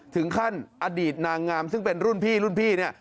ถึงขั้นอดีตนางงามซึ่งเป็นรุ่นพี่รุ่นพี่เนี่ย